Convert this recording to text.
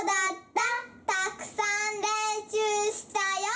たくさんれんしゅうしたよ！